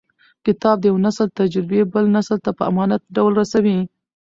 کتاب د یو نسل تجربې بل نسل ته په امانت ډول رسوي.